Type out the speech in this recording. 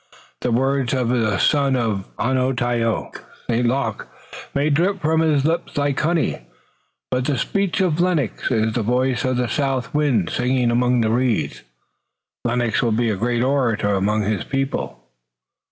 The words of the son of Onontio, St. Luc, may drip from his lips like honey, but the speech of Lennox is the voice of the south wind singing among the reeds. Lennox will be a great orator among his people."